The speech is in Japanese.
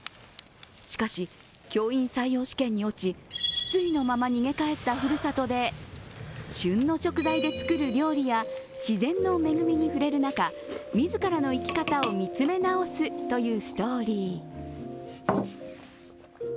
しかし教員採用試験に落ち、失意のまま逃げ帰ったふるさとで、旬の食材で作る料理や自然の恵みに触れる中、自らの生き方を見つめ直すというストーリー。